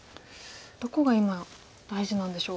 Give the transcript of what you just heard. どこが今大事なんでしょう。